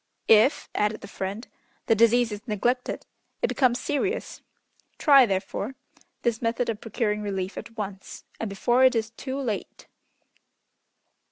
"If," added the friend, "the disease is neglected it becomes serious; try therefore, this method of procuring relief at once, and before it is too late."